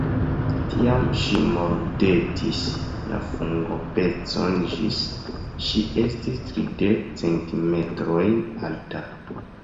Tiam, ŝi mordetis la fungopecon ĝis ŝi estis tridek centimetrojn alta.